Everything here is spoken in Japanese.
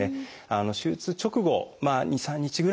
手術直後２３日ぐらいはですね